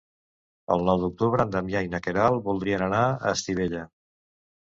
El nou d'octubre en Damià i na Queralt voldrien anar a Estivella.